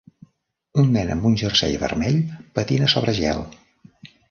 Un nen amb un jersei vermell patina sobre gel